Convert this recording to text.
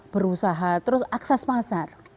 berusaha terus akses pasar